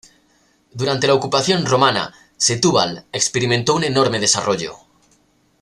Durante la ocupación romana, Setúbal experimentó un enorme desarrollo.